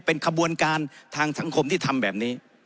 เป็นขบวนการทางสังคมที่ทำแบบนี้